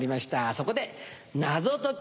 そこで謎解き